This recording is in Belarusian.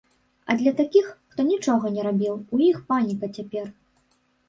А для такіх, хто нічога не рабіў, у іх паніка цяпер.